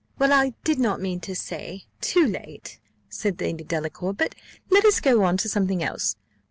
"Well, I did not mean to say too late," said Lady Delacour; "but let us go on to something else.